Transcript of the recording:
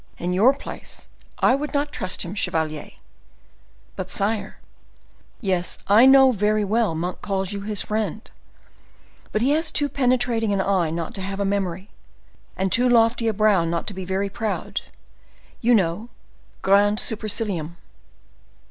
In your place I would not trust him, chevalier." "But, sire—" "Yes, I know very well Monk calls you his friend, but he has too penetrating an eye not to have a memory, and too lofty a brow not to be very proud, you know, grande supercilium."